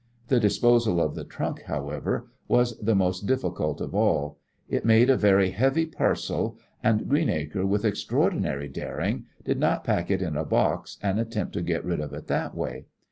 The disposal of the trunk, however, was the most difficult of all. It made a very heavy parcel, and Greenacre, with extraordinary daring, did not pack it in a box and attempt to get rid of it that way.